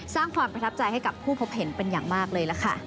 สร้างความประทับใจให้กับผู้พบเห็นเป็นอย่างมากเลยล่ะค่ะ